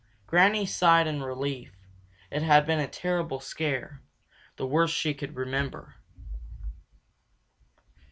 Granny Fox sighed in relief. It had been a terrible scare, the worst she could remember.